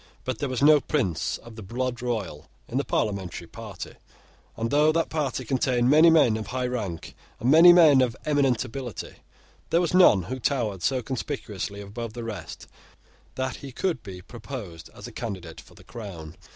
But there was no prince of the blood royal in the parliamentary party; and, though that party contained many men of high rank and many men of eminent ability, there was none who towered so conspicuously above the rest that he could be proposed as a candidate for the crown.